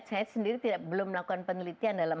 saya sendiri belum melakukan penelitian dalam